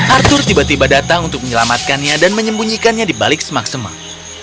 arthur tiba tiba datang untuk menyelamatkannya dan menyembunyikannya di balik semak semak